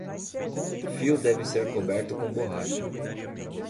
Fio deve ser coberto com borracha.